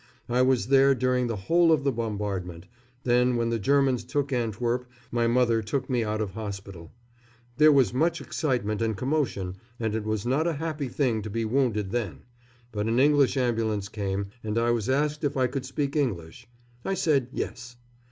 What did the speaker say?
I was there during the whole of the bombardment; then when the Germans took Antwerp my mother took me out of hospital. There was much excitement and commotion, and it was not a happy thing to be wounded then; but an English ambulance came, and I was asked if I could speak English. I said "Yes."